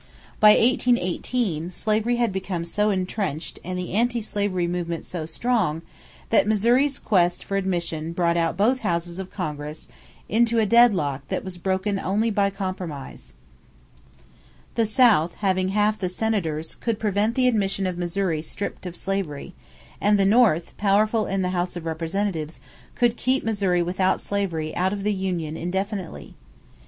By 1818 slavery had become so entrenched and the anti slavery sentiment so strong, that Missouri's quest for admission brought both houses of Congress into a deadlock that was broken only by compromise. The South, having half the Senators, could prevent the admission of Missouri stripped of slavery; and the North, powerful in the House of Representatives, could keep Missouri with slavery out of the union indefinitely.